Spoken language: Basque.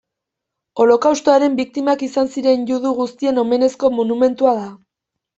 Holokaustoaren biktimak izan ziren judu guztien omenezko monumentua da.